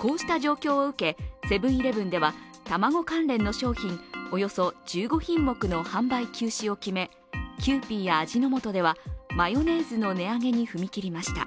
こうした状況を受け、セブン−イレブンでは卵関連の商品およそ１５品目の販売休止を決めキューピーや味の素では、マヨネーズの値上げに踏み切りました。